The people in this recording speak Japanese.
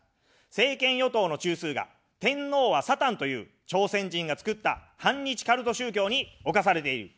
政権与党の中枢が天皇はサタンという、朝鮮人が作った反日カルト宗教に侵されている。